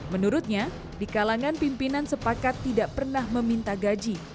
menurutnya di kalangan pimpinan sepakat tidak pernah meminta gaji